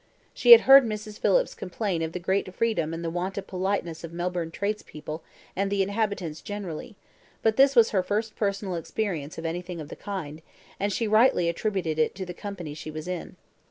She had heard Miss Phillips complain of the great freedom and the want of politeness of Melbourne tradespeople and the inhabitants generally; but this was her first personal experience of anything of the kind, and she rightly attributed it to the company she was in.